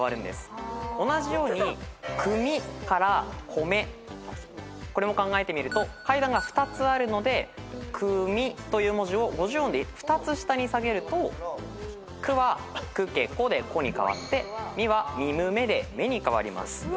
同じように「組」から「米」これも考えてみると階段が２つあるので「くみ」という文字を五十音で２つ下に下げると「く」は「くけこ」で「こ」に変わって「み」は「みむめ」で「め」に変わります。